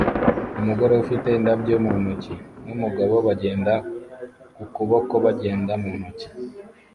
Umugore ufite indabyo mu ntoki n'umugabo bagenda ku kuboko bagenda mu ntoki